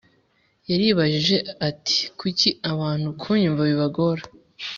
Yaribajije ati kuki abantu kunyumva bibagora